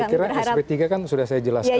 saya kira sp tiga kan sudah saya jelaskan